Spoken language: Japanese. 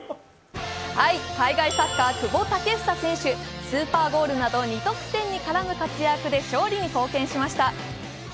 海外サッカー、久保建英選手スーパーゴールなど２得点に絡む活躍で勝利に貢献しました。